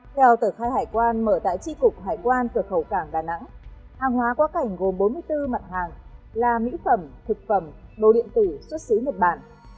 theo tờ khai hải quan mở tại tri cục hải quan cửa khẩu cảng đà nẵng hàng hóa quá cảnh gồm bốn mươi bốn mặt hàng là mỹ phẩm thực phẩm đồ điện tử xuất xứ nhật bản